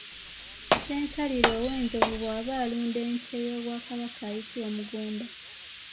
Ssensalire ow’enjovu bw’aba alunda ente y’obwaKabaka ayitibwa mugumba.